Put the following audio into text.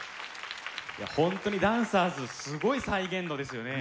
いや本当にダンサーズすごい再現度ですよね。